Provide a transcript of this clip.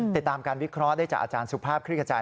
ติดตามการวิเคราะห์ได้จากอาจารย์สุภาพคลิกกระจาย